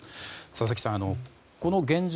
佐々木さん、この現状